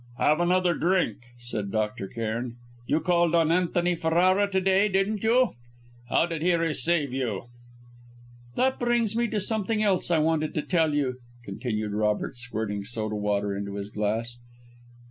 "Have another drink," said Dr. Cairn. "You called on Antony Ferrara to day, didn't you? How did he receive you?" "That brings me to something else I wanted to tell you," continued Robert, squirting soda water into his glass.